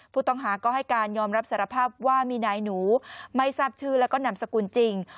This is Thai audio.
ผู้ต้องหาก็ให้การยอมรับสารภาพว่ามีนายหนูไม่ทราบชื่อแล้วก็นามสกุลจริง